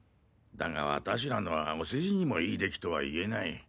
だが私らのはお世辞にも良い出来とは言えない。